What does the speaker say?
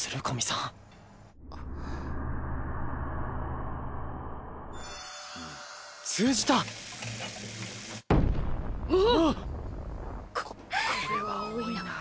ここれは多いな